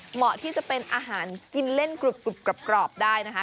เหมาะที่จะเป็นอาหารกินเล่นกรุบกรอบได้นะคะ